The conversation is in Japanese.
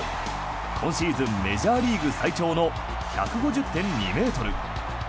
今シーズンメジャーリーグ最長の１５０．２ｍ。